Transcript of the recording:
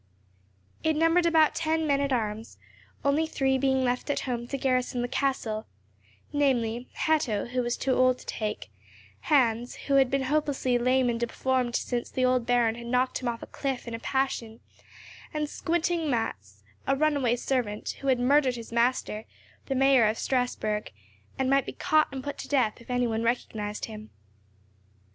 It numbered about ten men at arms, only three being left at home to garrison the castle—namely, Hatto, who was too old to take; Hans, who had been hopelessly lame and deformed since the old Baron had knocked him off a cliff in a passion; and Squinting Mätz, a runaway servant, who had murdered his master, the mayor of Strasburg, and might be caught and put to death if any one recognized him.